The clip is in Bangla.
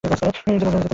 এটাকে বুদ্ধি বলে?